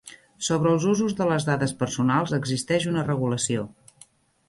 Sobre els usos de les dades personals existeix una regulació.